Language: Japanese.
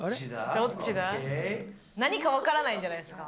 何か分からないんじゃないですか。